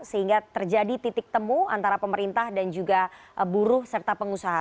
sehingga terjadi titik temu antara pemerintah dan juga buruh serta pengusaha